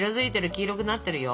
黄色くなってるよ。